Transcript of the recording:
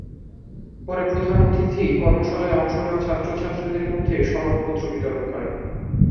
পরে প্রধান অতিথি কর্মশালায় অংশ নেওয়া ছাত্র-ছাত্রীদের মধ্যে সনদপত্র বিতরণ করেন।